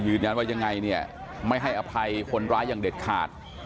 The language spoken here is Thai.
ก็ยืดย้านว่ายังไงเนี่ยไม่ให้อภัยคนร้ายอย่างเด็ดขาด